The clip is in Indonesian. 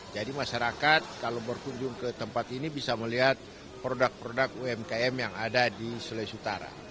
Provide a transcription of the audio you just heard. jadi masyarakat kalau berkunjung ke tempat ini bisa melihat produk produk umkm yang ada di sulawesi utara